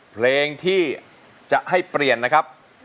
เพลงที่จะให้เปลี่ยนนะครับ